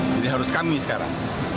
jadi harus kami sekarang